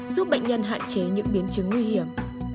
giúp bệnh nhân hạn chế những biến chứng nguy hiểm